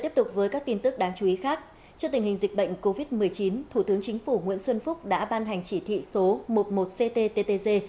trước tình hình dịch bệnh covid một mươi chín thủ tướng chính phủ nguyễn xuân phúc đã ban hành chỉ thị số một trăm một cttg